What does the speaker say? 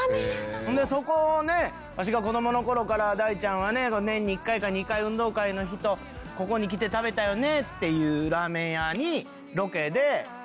そこでわしが子どもの頃から「大ちゃんはね年に１回か２回運動会の日とここに来て食べたよね」っていうラーメン屋に。